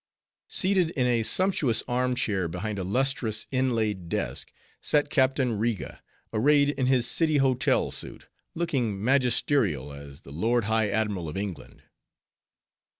Seated in a sumptuous arm chair, behind a lustrous, inlaid desk, sat Captain Riga, arrayed in his City Hotel suit, looking magisterial as the Lord High Admiral of England.